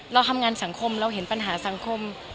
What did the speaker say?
เราทำงานสังคมเราเห็นปัญหาสังคม